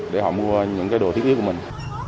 để họ mua những cái đồ thiết yếu của mình